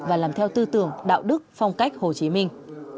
và làm theo tư tưởng đạo đức phong cách hồ chí minh